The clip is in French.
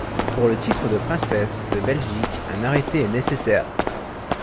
Pour le titre de Princesse de Belgique un arrêté est nécessaire.